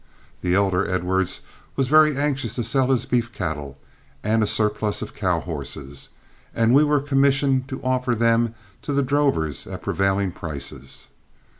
The elder Edwards was very anxious to sell his beef cattle and a surplus of cow horses, and we were commissioned to offer them to the drovers at prevailing prices.